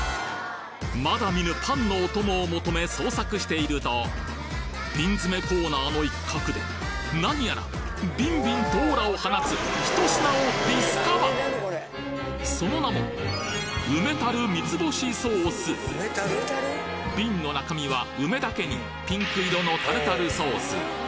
まだ見ぬパンのお供を求め捜索していると瓶詰めコーナーの一角で何やらビンビンとオーラを放つ一品をその名も瓶の中身は梅だけにピンク色のタルタルソース